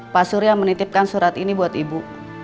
pak surya menitipkan surat ini buat ibu